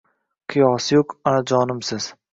Qiyosi yuq onajonimsiz